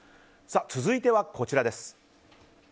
続いては、こちらです。